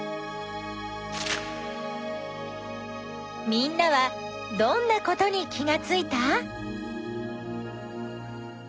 みんなはどんなことに気がついた？